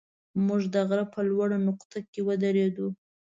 موږ د غره په لوړه نقطه کې ودرېدو.